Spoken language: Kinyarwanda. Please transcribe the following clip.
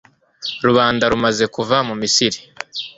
rubanda rumaze kuva mu misiri